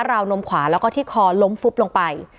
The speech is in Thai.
วนมขวาแล้วก็ที่คอล้มฟุบลงไป